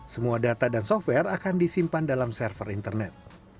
semua data dan software akan disimpan dalam server internet